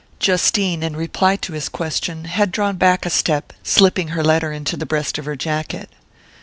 Justine, in reply to his question, had drawn back a step, slipping her letter into the breast of her jacket.